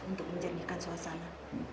untuk menjernihkan suasana